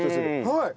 はい。